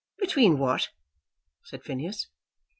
"Between what?" said Phineas.